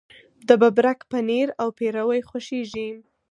د ببرک پنیر او پیروی خوښیږي.